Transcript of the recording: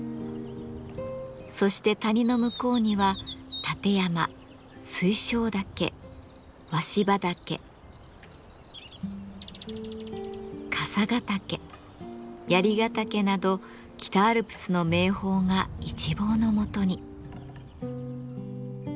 そして谷の向こうには立山水晶岳鷲羽岳笠ヶ岳槍ヶ岳など北アルプスの名峰が一望のもとに。